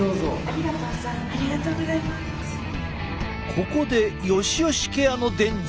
ここでよしよしケアの伝授。